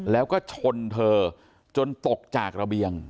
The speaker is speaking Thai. แล้วก็ชนเธอจนตกจากระเบียง